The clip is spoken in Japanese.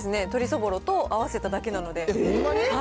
鳥そぼろと合わせただけなので。